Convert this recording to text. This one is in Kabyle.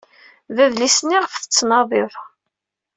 D adlis-nni iɣef tettnadiḍ.